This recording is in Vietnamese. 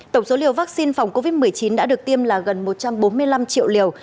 tổng số liều vaccine phòng covid một mươi chín đã được tiêm là gần một trăm bốn mươi năm triệu liều